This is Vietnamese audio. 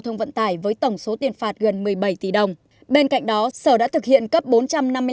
thông vận tải với tổng số tiền phạt gần một mươi bảy tỷ đồng bên cạnh đó sở đã thực hiện